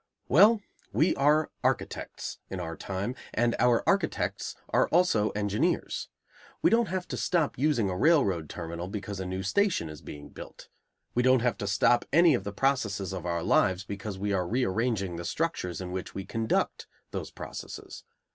Well, we are architects in our time, and our architects are also engineers. We don't have to stop using a railroad terminal because a new station is being built. We don't have to stop any of the processes of our lives because we are rearranging the structures in which we conduct those processes.